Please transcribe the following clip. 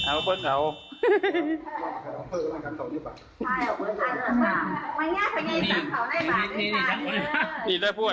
เอา